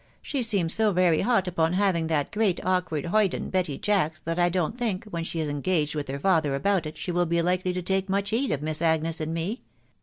She seems so very hot upon having that great awk ward hoyden, Betty Jacks, that I don't think, when she is engaged with her father about it, she will be likely to take much heed of Miss Agnes and me.